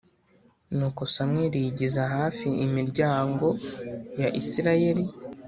Nuko samweli yigiza hafi imiryango ya isirayeli